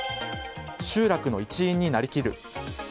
集落の一員になりきる。